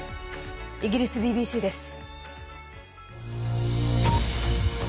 イギリスＢＢＣです。